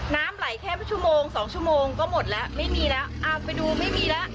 น้ำไหลแค่ชั่วโมงสองชั่วโมงก็หมดแล้วไม่มีแล้วอ่าไปดูไม่มีแล้ว